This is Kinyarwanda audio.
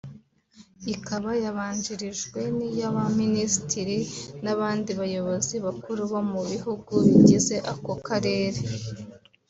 ikaba yabanjirijwe n’iy’abaminisitiri n’abandi bayobozi bakuru bo mu bihugu bigize ako karere